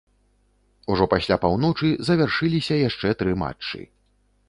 Ужо пасля паўночы завяршыліся яшчэ тры матчы.